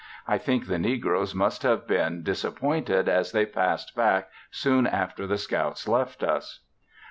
I think the negroes must have been disappointed as they passed back soon after the scouts left us.